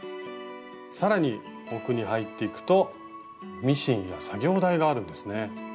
更に奥に入っていくとミシンや作業台があるんですね。